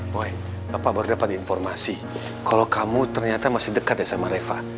poin bapak baru dapat informasi kalau kamu ternyata masih dekat ya sama reva